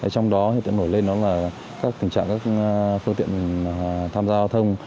trong đó nổi lên là các tình trạng các phương tiện tham gia giao thông